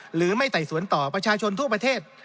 หรือไม่ไต่สวนต่อประชาชนทั่วประเทศ